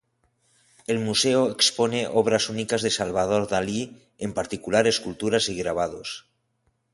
El museo expone obras únicas de Salvador Dalí, en particular esculturas y grabados.